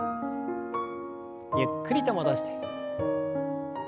ゆっくりと戻して。